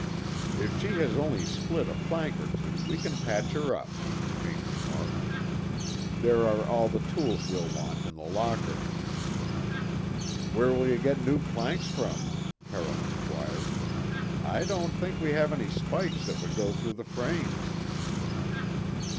"If she has only split a plank or two we can patch her up," Vane remarked, "There are all the tools we'll want in the locker." "Where will you get new planks from?" Carroll inquired. "I don't think we have any spikes that would go through the frames."